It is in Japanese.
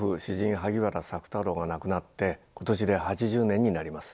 萩原朔太郎が亡くなって今年で８０年になります。